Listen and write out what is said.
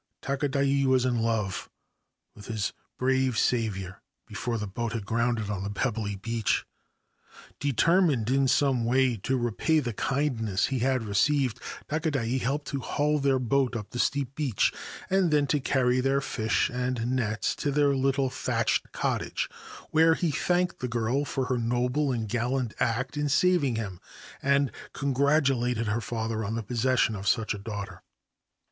Takadai was in love with his brave saviour before the boat had grounded on the pebbly beach. Determined in some way to repay the kindness he had received, Takadai helped to haul their boat up the steep beach and then to carry their fish and nets to their little thatched cottage, where he thanked the girl for her noble and gallant act in saving him, and congratulated her father on the possession of such a daughter.